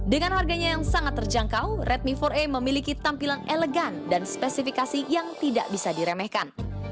dengan harganya yang sangat terjangkau redmi empat a memiliki tampilan elegan dan spesifikasi yang tidak bisa diremehkan